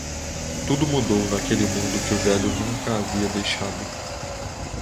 Tudo mudou naquele mundo que o velho nunca havia deixado.